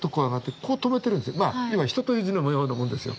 要は「人」という字のようなもんですよ。